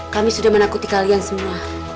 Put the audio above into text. kami sudah menakuti kalian semua